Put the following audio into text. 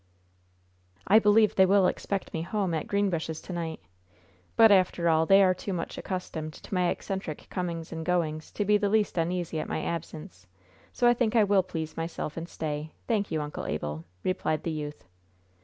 "I believe they will expect me home at Greenbushes to night; but, after all, they are too much accustomed to my eccentric comings and goings to be the least uneasy at my absence; so I think I will please myself and stay, thank you, Uncle Abel," replied the youth.